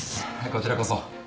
こちらこそ。